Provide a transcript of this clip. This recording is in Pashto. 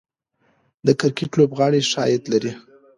د کرکټ لوبغاړي ښه عاید لري